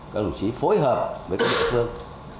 các đồng chí phối hợp với các địa phương